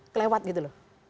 kelewat gitu loh